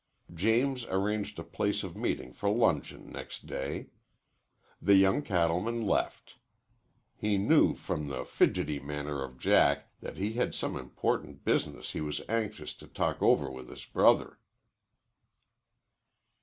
James arranged a place of meeting for luncheon next day. The young cattleman left. He knew from the fidgety manner of Jack that he had some important business he was anxious to talk over with his brother.